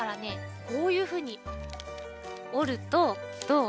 こういうふうにおるとどう？